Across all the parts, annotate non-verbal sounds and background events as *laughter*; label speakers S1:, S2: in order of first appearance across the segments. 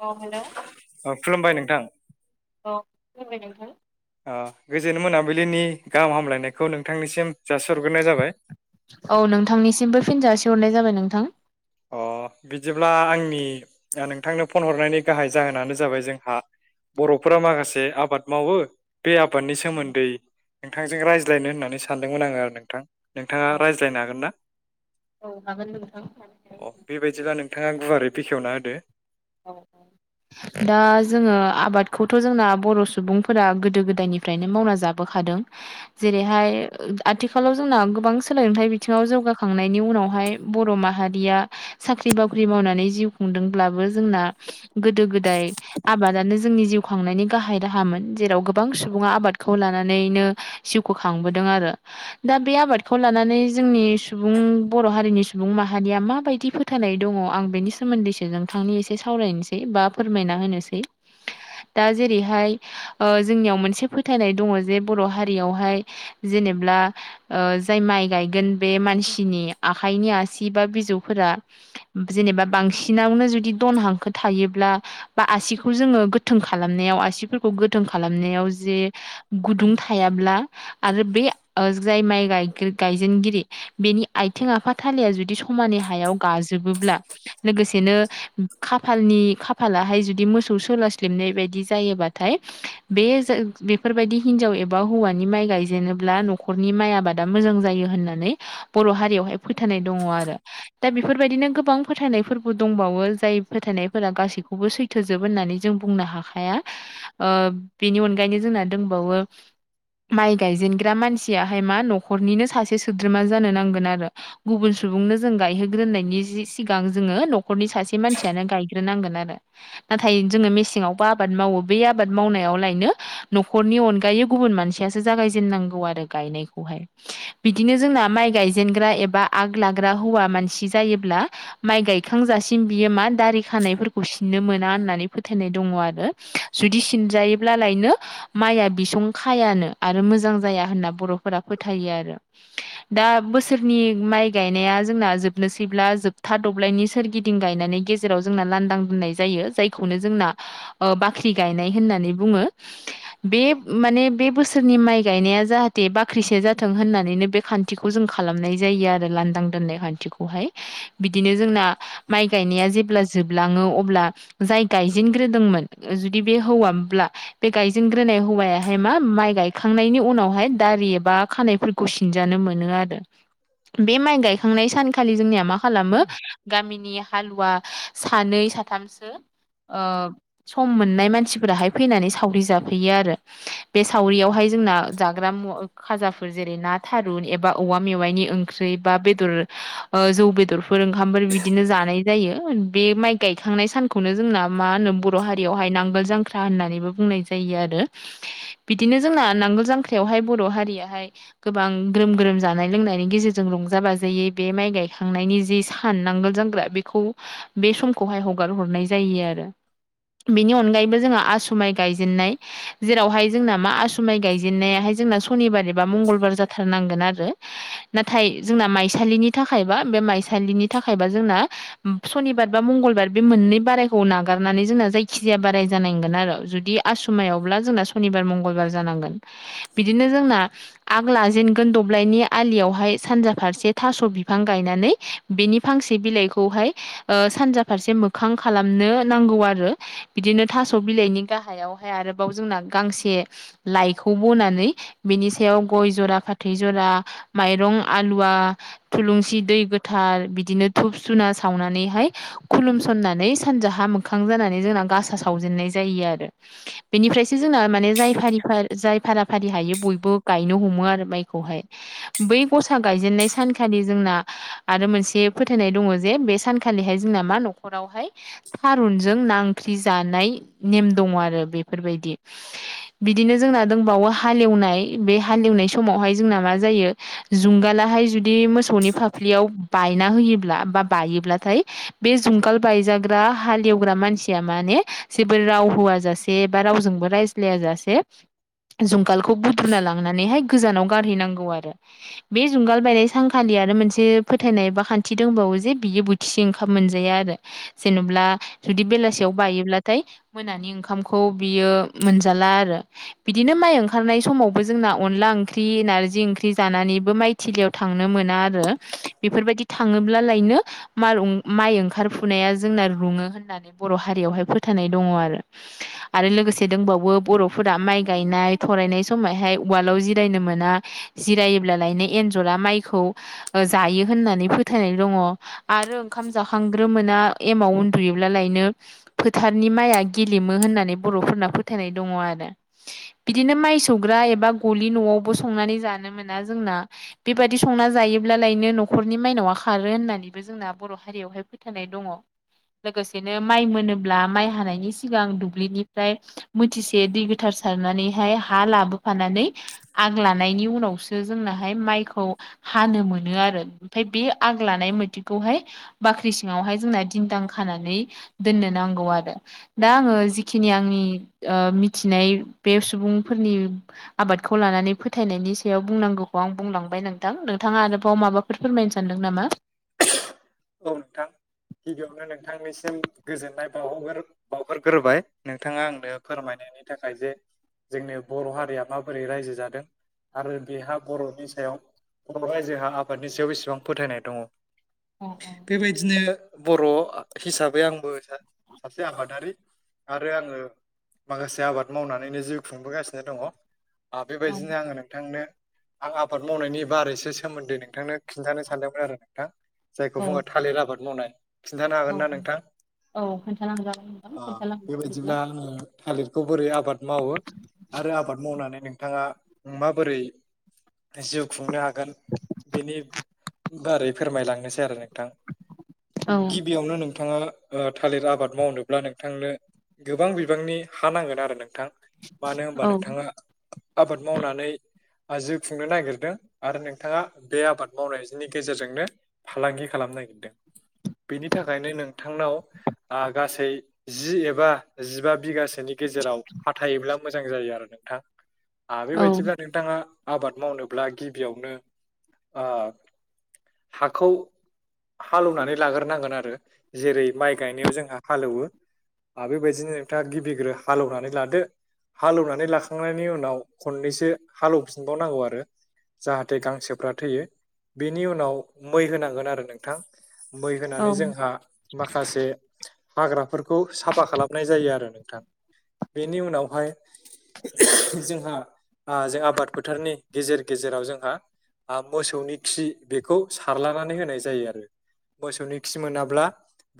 S1: अ हेल'
S2: अ खुलुमबाय नोंथां।
S1: औ खलुमबाय नोंथां
S2: ओ गोजोन मोनाबिलिनि गाहाम हामलायनायखौ नोंथांनिसिम जाासहग्रोनाय जाबाय
S1: औ नोंथांनिसिमबो फिनजासे हरनाय जाबाय नोंथां
S2: अ बिदिब्ला आंनि नोंथांनो फन हरनायनि गाहाय जाहोनानो जाबाय जोंहा बर'फोरा माखासे आबाद मावो। बे आबादनि सोमोन्दै नोंथांजों रायज्लायनो होननानै सानदोंमोन आङो आरो नोंथां। नोंथाङा
S1: औ
S2: रायज्लायनो हागोन ना?
S1: औ हागोन नोंथां
S2: अ बेबायदिब्ला नोंथाङा गुवारै बेखेवना होदो।
S1: औ औ दा जोङो आबादखौथ' जोंना बर' सुबुंफोरा गोदो गोदायनिफ्रायनो मावना जाबाय बोखादों जेरैहाय आथिखालाव जोंना गोबां सोलोंथायाइ बिथिङाव जौगाखांनायनि उनावहाय बर' माहारिया साख्रि बाख्रि मावनानै जिउ खुंदोंब्लाबो जोंना गोदो गोदाय आबादानो जोंनि जिउ खांनायनि गाहाय राहामोन जेराव गोबां सुबुङा आबादखौ लानानैनो जिउखौ खांबोदों आरो। दा बे आबादखौ लानानै जोंनि सुबुं बर' हारिनि सुबुं माहारिया माबायदि फो थायनाय दङ आं बेनि सोमोन्दैसो नोंथांनि एसे सावरायनोसै बा फोरमायना होनोसै। दा जेरैहाय जोंनियाव मोनसे फोथायनाय दङ जे बर' हारियावहाय जेनेब्ला जाय माइ गायगोन बे मानसिनि आखाइनि आसि बा बिजौफोरा जेनेबा बांसिनावनो जुदि दन हांखो थायोब्ला बा आसिखौ जोङो गोथों खालामनायाव आसिफोरखौ गोथों खालामनायाव जे गुदुं थायाब्ला आरो बे जाय माइ गाय गायजेनगिरि बेनि आथिं आफाथाालया जुदि समानै हायाव गाजोबोब्ला लोगोसेनो खाफालनि खाफलाहाय जुदि मोसौ सोलासलिबनाय बायदि जायोबाथाय बे बेफोरबायदि हिनजाव एबा हौवानि माइ गायजेनोब्ला न'खरनि माइ आबाद दा मोजां जायो होननानै बर' हारियावहाय फोथायनाय दङ आरो। दा बेफोरबायदिनो गोबां फोथायनायफोरबो दंबावो जाय फोथायनायफोरा गासैखौबो सैथोजोब होननानै जों बुंनो हाखाया ओ बेनि अनगायैनो जोंना दंबावो माइ गायजेनग्रा मानसियाहाय मा न'खरनिनो सासे सोद्रोमा जानो नांगोन आरो गुबुन सुबुंनो जों गायहोग्रोननायनि सिगां जोङो न'खरनि सासे मानसि फोरानो गायग्रोनांगोन आरो नाथाय जोङो मेसेङावबो आबाद मावो बे आबाद मावनायावलायनो न'खरनि अनगायै गुबुन मानसियासो जागायजेननांगौ आरो गायनायखौहाय बिदिनो जोंना माइ गायजेनग्रा एबा आग लाग्रा हौवा मानसि जायोब्ला माइ गायखांजासिम बियो मा दारि खानायफोरखौ सिननो मोना होननानै फोथायनाय दङ आरो जुदि सिनजायोब्लालायनो माइया बिसं खायानो आरो मोजां जाया होनना बर'फोरा फोथायो आरो
S2: *inaudible*
S1: दा बोसोरनि माइ गायनाया जोंना जोबनोसैब्ला जोबथा दब्लायनि सोरगिदिं गायनानै गे जेराव जोंना लांदां दोननाय जायो जायखौनो जोंना बाख्रि गायनाय होननानै बुङो।
S2: *inaudible*
S1: बे माने बे बोसोरनि माइ गायनाया जाहाथे बाख्रिसे जाथों होननानैनो बे खान न्थिखौ जों खालामनाय जायो आरो लान्दां दोननाय खान्थिखौहाय। बिदिनो जोंना माइ गायनाया जे अब्ला जोबलाङो अब्ला जाय गायजेनग्रोदोंमोन जुदि बे हौवाब्ला बे गायजेनग्रोनाय हौवायाहाय मा माइ गायखांनायनि उनावहाय दारि एबा खानायफोर खौ सिनजानो मोनो आरो। बे माइ गायखांनाय सानखालि जोंनिया मा खालामो गामिनि हालुवा सानै साथामसो ओ सम मोननाय मानसिफोराहाय फैनानै सावरि जाफैयो आरो। बे सावरियावहाय जोंना जाग्रा मुवा खाजाफोर जेरै ना थारुन एबा औवा मेवाइनि ओंख्रि ख्रै बा बेदर जौ बेदरफोर ओंखामफोर बिदिनो जानाय जायो। बे माइ गायखांनाय सानखौनो जोंना मा होनो बर' हारियावहाय नांगोल जांख्रा होननानैबो बुंनाय जा जायो आरो बिदिनो जोंना नांगोल जांख्रायावहाय बर' हारियाहाय गोबां ग्रोम ग्रोम जानाय लोंनायनि गेजेरजों रंजा बाजायै बे माइ गायखांनायनि जि सा सान नांगोल जोमग्रा बेखौ बे समखौहाय हगार हरनाय जायो आरो। बेनि अनगायैबो जोंहा आस माइ गायजेनाय जेरावहाय जोंना मा आसु माइ गायजेननायाहाय जोंना सनिबार एबा मंगलबार जाथारनांगोन आरो। नाथाय जोंना माइसालिनि थाखायबा बे माइसालिनि थाखायबा जोंना सनिबार बा मंगलबार बे मोननै बारायखौ नागारनानै जोंना जायखि जाया बाराय जानांगोन आरो जुदि आसुमायावब्ला जोंना सनिबार मंगलबार जानांगोन बिदिनो जोंना आग लाजेनगोन दब्लायनि आलियावहाय सानजा फारसे थास' बिफां गायनानै बिनि फांसे बिलाइखौहाय सानजा फारसे मोखां खालामनो नांगौ आरो बिदिनो थास' बिलाइनि गाहायाव ओमफ्राय आरोबाव जोंना गांसे लाइखौ बनानै बिनि सायाव गय जरा फाथै जरा माइरं आलुवा थुलुंसि दै गोथार बिदिनो धुप धुना सा सावनानैहाय खुलुमसननानै सानजाहा मोखां जानानै जोंना गासा सावजेननाय जायो आरो। बेनिफ्रायसो जोंना माने जाय फारि फारि जाय फारा फारि हायो बयबो गायनो हमो आरो माइखौहाय। बै गसा गायजेननाय सानखालि जोंना आरो मोनसे फोथायनाय दङ जे बे सानखालिहाय जोंना मा न'खरावहाय थारुनजों ना ओंख्रि जानाय नेम दङ आरो बेफोरबायदि। बिदिनो जोंना दंबावो हालेवनाय बे हालेवनाय समावहाय जोंना मा जायो जुंगालाहाय जुदि मोसौनि फाफ्लियाव बायना होयोब्ला बा बायोब्ला नाथाय बे जुंगाल बायजाग्रा हालेवग्रा मानसिया माने जेबो राव होआ जासे से बा रावजोंबो रायज्लाय जासे जुंगालखौ बुद्रुना लांनानैहाय गोजानाव गारहैनांगौ आरो। बे जुंगाल बायनाय सानखालि आरो मोनसे फोथायनाय बा खान्थि दंबावो जे बियो बो थिसे ओंखाम मोनजाया आरो जेनेब्ला जुदि बेलासियाव बायोब्लाथाय मोनानि ओंखामखौ बियो मोनजाला आरो। बिदिनो माइ ओंखारनाय समावबो जोंना अनला ओंख्रि नारजि ओंख्रि जानानैबो माइ थिलियाव थांनो मोना आरो बेफोरबायदि थाङोब्ला लायनो माइ ओंखारफुनाया जोंना रुङो होननानै बर' हारियावहाय फोथायनाय दङ आरो।
S2: *inaudible*
S1: आरो लोगोसे दंबावो बर'फोरा माइ गायनाय थरायनाय समावहाय उवालाव जिरायनो मोना। जिरायोब्लालायनो एन्जरा माइखौ जायो होननानै फोथायनाय दङ। आरो ओंखाम जाखांग्रोमोना एमाव उन्दुयोब्ला लायनो फोथारनि माइआ गेलेमो होननानै बर'फोरना फोथायनाय दङ आरो। बिदिनो माइ सौग्रा एबा गलि न'आवबो संनानै जानो मोना जोंना। बेबादि संना जायोब्लालायनो न'खरनि माइनावआ खारो होननानै। बे जोंना बर' हारियावहाय फोथायनाय दङ। लोगोसेनो माइ मोनोब्ला माइ हानायनि सिगां दुब्लिनिफ्राय मुथिसे दै गोथार सारनानैहाय हा लाबोफानानै आग लानायनि उनावसो जोंनाहाय माइखौ हानो मोनो आरो ओमफाय बे आग लानाय मोथि खौहाय बाख्रि सिङावहाय जोंना दिनदां खानानै दोननो नांगौ आरो। दा आङो जिखिनि आंनि मिथिनाय बे सुबुंफोरनि आबादखौ लानानै फोथायनायनि सायाव बुंनांगौखौ आं बुंलांबाय नोंथां नोंथाङा आरोबाव माबा बे फोरमायनो सानदों नामा?
S2: औ नोंथां गिबियावनो नोंथांनिसिम गोजोननाय बावहगोर बावहरग्रोबाय नोंथाङा आंनो फोरमायनायनि थाखाय जे जोंनि बर' हारिया माबोरै रायजो जादों। आरो बेहा बर'नि सायाव बर' रायजोहा आबादनि सायाव बेसेबां फोथायनाय दङ।
S1: औ
S2: बेबायदिनो बर' हिसाबै आंबो सासे आबादारि आरो आङो माखासे आबाद मावनानैनो जिउ खुंबोगासिनो दङ ओ
S1: औ
S2: बेबायदिनो आङो नोंथांनो आं आबाद मावनायनि बारैसो सोमोन्दै नोंथांनो खिन्थानो सानदोंमोन आरो नोंथां। जायखौ बुङो
S1: औ
S2: थालिर आबाद मावनाय खिन्थानो हागोन
S1: औ
S2: ना नोंथां
S1: औ खोन्थालांजागोन नोंथां
S2: ओ
S1: खोन्थालांदो बिदिब्ला
S2: बेबायदिब्ला आङो थालिरखौ बोरै आबाद मावो आरो आबाद मावनानै नोंथाङा माबोरै जिउ खुंनो हागोन बेनि बारै फोरमायलांनो सान आरो नोंथां
S1: औ
S2: गिबियावनो नोंथाङा ओ थालिर आबाद मावनोब्ला नोंथांनो गोबां बिबांनि हा नांगोन आरो नोंथां मानो होनबा
S1: औ
S2: नोंथाङा आबाद मावनानै जिउ खुंनो नागिरदों आरो नोंथाङा बे आबाद मावनायनि गेजेरजोंनो फालांगि खालामनो नागिरदों बेनि थाखायनो नोंथांनाव ओ गासै जि एबा जिबा बिगासोनि गेजेराव हथायोबब्ला मोजां जायो आरो नोंथां। आ
S1: औ
S2: बेबायदिब्ला नोंथाङा आबाद मावनोब्ला गिबियावनो हाखौ हालेनानै लाग्रोनांगोन आरो जेरै माइ गायनायाव जोंहा हालौवो आ बेबायदिनो नोंथा गिबिग्रो हालेवनानै लादो हालेवनानै लाखांनायनि उनाव खननैसो हालौवफिनबावनांगौ आरो जाहाथे गांसोफ्रा थैयो बेनि उनाव मै होनांगोन आरो नोंथां मै
S1: औ
S2: होनानै जोंहा माखासे हाग्राफोरखौ साफा खालामनाय जायो आरो नोंथां बेनि उनावहाय जोंहा ओ जों आबाद फोथारनि गेजेर गेजेराव जोंहा आं मोसौनि खि बेखौ सारलानानै होनाय जायो आरो मोसौनि खि मोनाब्ला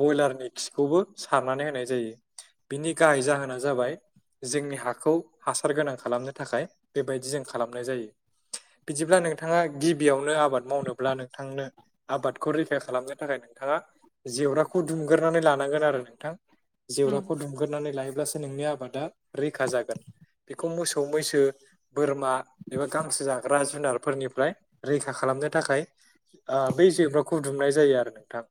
S2: ब्रयलारनि खिखौबो सारनानै होनाय जायो। बिनि गाहाय जाहोना जाबाय जोंनि हाखौ हासार गोनां खालामनो थाखाय बेबायदि जों खालामनाय जायो। बिदिब्ला नोंथाङा गिबियावनो आबाद मावनोब्ला नों थांनो आबादखौ रैखा खालामनो थाखाय नोंथाङा जेवराखौ दुमग्रानै लानांगोन आरो नोंथां जेवराखौ दुम गोरनानै लायोब्लासो नोंनि आबादा रैखा जागोन बेखौ मोसौ मैसो बोरमा एबा गांसो जाग्रा जुनारफोरनिफ्राय रैखा खालामनो थाखाय ओ बै जेवराखौ खुदुमनाय जायो आरो नोंथां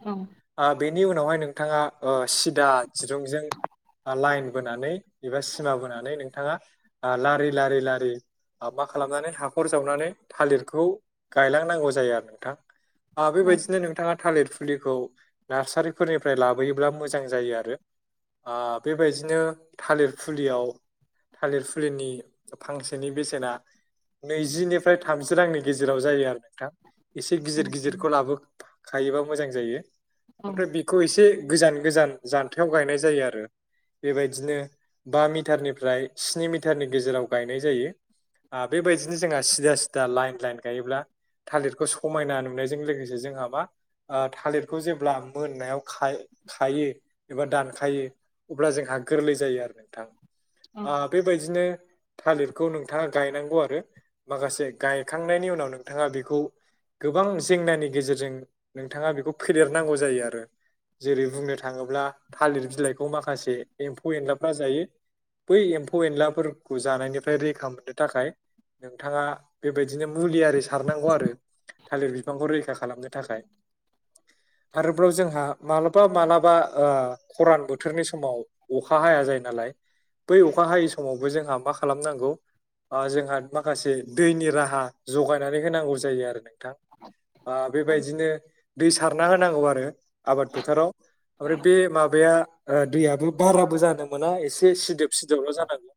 S1: औ
S2: ओ बेनि उनावहाय नोंथाङा ओ सिदा दिरुंजों लाइन बोनानै एबा सिमा बोनानै नोंथाङा लारि लारि लारि ओ मा खालामनानै हाखर जावनानै थालिरखौ गायलांनांगौ जायो। जायो आरो नोंथां ओ
S1: औ
S2: बेबायदिनो नोंथाङा थालिर फुलिखौ नार्सारिफोरनिफ्राय लाबोयोब्ला मोजां जायो आरो ओ बेबायदिनो थालिर फुलियाव थालिर फुलिनि फांसेनि बेसेना नैजिनिफ्राय थामजि रांनि गेजेराव जायो आरो नोंथां एसे गिदिर गिदिरखौ लाबोखायोबा मोजां जायो
S1: औ
S2: ओमफ्राय बि खौ एसे गोजान गोजान जान्थायाव गायनाय जायो आरो बेबायदिनो बा मिटारनिफ्राय स्नि मिटारनि गेजेराव गायनाय जायो। आ‌ बेबायदिनो जोंहा सिदा सिदा लाइन लाइन गायोब्ला थालिरखौ समायना नुनायजों लोगोसे जोंहा मा ओ थालिरखौ जेब्ला मोननायाव खायो एबा दानखायो अब्ला जोंहा गोरलै जायो आरो नोंथां ओ‌ बेबायदिनो थालिरखौ नोंथाङा गायनांगौ आरो माखासे गायखांनायनि उनाव नोंथाङा बेखौ बेखौ गोबां जेंनानि गेजेरजों नोंथाङा बेखौ फेदेरनांगौ जायो आरो। जेरै बुंनो थाङोब्ला थालिर बिलाइखौ माखासे एम्फौ एनलाफ्रा जायो। बै एम्फौ एनलाफोरखौ जानायनिफ्राय रैखा मोननो थाखाय नोंथाङा बेबायदिनो मुलियि साब थारनांगौ आरो थालिर बिफांखौ रैखा खालामनो थाखाय। आरोबाव जोंहा मालाबा मालाबा ओ खरान बोथोरनि समाव अखा हाया जायो नालाय बै अखा हायै समावबो जोंहा मा खालामनांगौ ओ जोंहा माखासे दैनि राहा जगाय नानै होनांगौ जायो आरो नोंथां ओ‌ बेबायदिनो दै सारना होनांगौ आरो आबाद फोथाराव ओमफ्राय बे माबाया दैयाबो बाराबो जानो मोना एसे सिदोब सिदोबल' जानांगौ।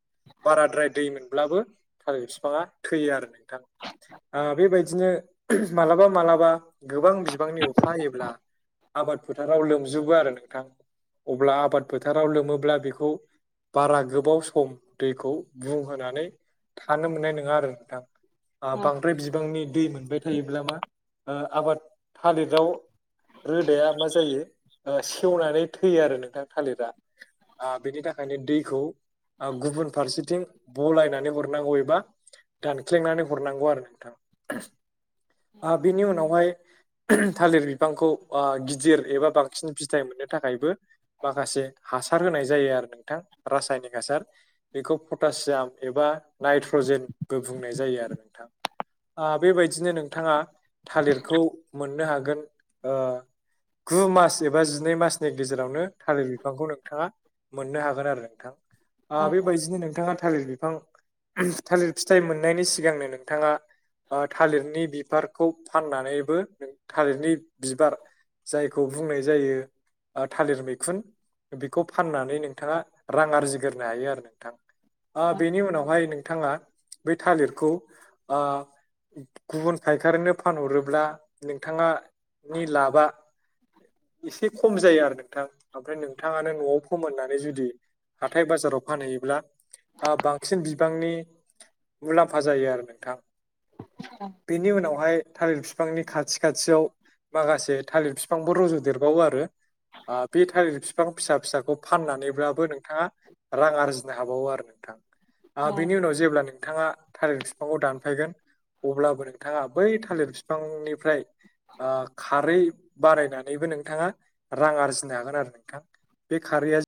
S2: बाराद्राय दै मोनब्लाबो थालिर बिफाङा थैयो आरो नोंथां। बेबायदिनो मालाबा मालाबा गोबां बिबांनि अखा हायोब्ला आबाद फोथाराव लोमजोबो आरो नोंथां अब्ला आबाद फोथाराव लोमोब्ला बेखौ बारा गोबाव सम दैखौ बुंहोनानै थानो मोननाय नङा आरो नोंथां। ओ बांद्राय बिबांनि दै मोनबाय थायोब्ला मा आबाद थालिराव रोदाया मा जायो ओ सेवनानै थैयो आरो नोंथां थालिरा। ओ‌ बेनि थाखायनो दैखौ गुबुन फारसेथिं बलायनानै हरनांगौ एबा दानख्लेेंनानै हर हरनांगौ आरो नोंथां ओ बिनि उनावहाय थालिर बिफांखौ ओ गिदिर एबा बांसिन फिथाइ मोननो थाखायबो माखासे हासार होनाय जायो आरो नोंथां रासायनिक हासार। बेखौ पटासियाम एबा नाइट्रजेनबो बुंनाय जायो आरो। ओ बेबायदिनो नोंथाङा थालिरखौ मोननो हागोन ओ गु मास एबा जिनै मासनि गेजेरावनो थालिर बिफांखौ नोंथाङा मोननो हागोन आरो नोंथां। आ‌ बेबायदिनो नोंथाङा थालिर बिफां थालिर फिथाइ मोननायनि सिगांनो नों नोंथाङा ओ थालिरनि बिबारखौ फाननानैबो थालिरनि बिबार जायखौ बुंनाय जायो ओ थालिर मैखुन बेखौ फाननानै नोंथाङा रां आरजिग्रनो हायो आरो नोंथां। आ
S1: औ
S2: बेनि उनावहाय नोंथाङा बे थालिरखौ आ गुबुन फायखारिनो फानहरोब्ला नोंथाङनि लाबा *unintelligible* एसे खम जायो आरो नोंथां ओमफ्राय नोंथाङानो न'आव फोमोननानै जुदि हाथाय बाजाराव फानहैयोब्ला ओ बांसिन बिबांनि मुलाम्फा जायो आरो नोंथां
S1: औ
S2: बेनि उनावहाय थालिर बिफांनि खाथि खाथियाव माखासे थालिर बिफांफोर रज' देरबावो आरो। बे थालिर बिफां फिसा फिसाखौ फाननानैब्लाबो नोंथाङा। रां आरजिनो हाबावो आरो नोंथां ओ
S1: औ
S2: बेनि उनाव जेब्ला नोंथाङा था बिफांखौ दानफायगोन अब्लाबो नोंथाङा बै थालिर बिफांनिफ्राय ओ खारै बारायनानैबो नोंथाङा रां आरजिनो हागोन आरो नोंथां। बे खारैया